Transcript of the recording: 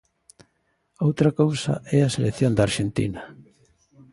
Outra cousa é a selección da Arxentina.